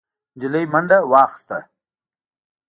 نجلۍ منډه واخيسته.